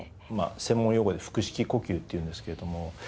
まあ専門用語で腹式呼吸っていうんですけれども。